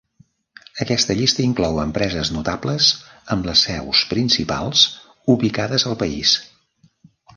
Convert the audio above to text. Aquesta llista inclou empreses notables amb les seus principals ubicades al país.